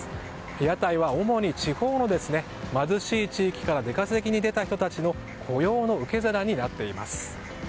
屋台は、主に地方の貧しい地域から出稼ぎに出た人たちの雇用の受け皿になっています。